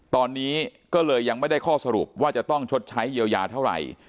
ตอนนี้ก็เลยยังไม่ได้ข้อสรุปว่าจะต้องชดใช้เยียวยาเท่าไหร่